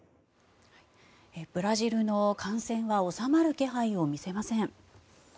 ブラジルの感染は収まる気配を見せません。